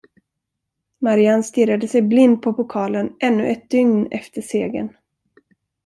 Marianne stirrade sig blind på pokalen ännu ett dygn efter segern.